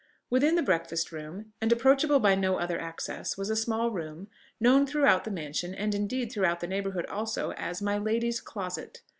Within the breakfast room, and approachable by no other access, was a small room, known throughout the mansion, and indeed throughout the neighbourhood also, as "My Lady's Closet."